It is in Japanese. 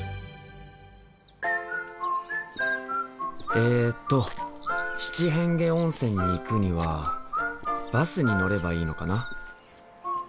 えと七変化温泉に行くにはバスに乗ればいいのかな？